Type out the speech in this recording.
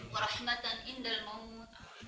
wa rahmatan indah al maumut